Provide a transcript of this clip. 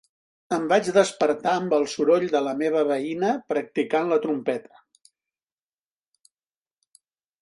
Em vaig despertar amb el soroll de la meva veïna practicant la trompeta.